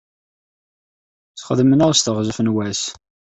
Sxedmen-aɣ s teɣzef n wass.